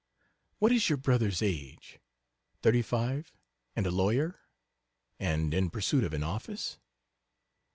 What is your brother's age? 35 and a lawyer? and in pursuit of an office?